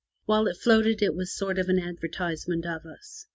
While it floated it was a sort of advertisement of us.